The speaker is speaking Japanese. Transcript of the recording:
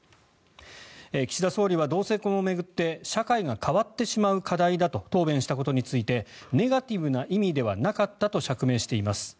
岸田総理は同性婚を巡って社会が変わってしまう課題だと答弁したことについてネガティブな意味ではなかったと釈明しています。